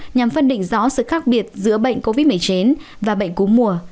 nhằm phân định rõ sự khác biệt giữa bệnh covid một mươi chín và bệnh cúm mùa